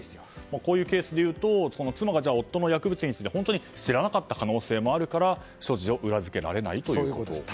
こういうケースでいうと妻が夫の薬物について本当に知らなかった可能性もあるから所持を裏付けられないということですね。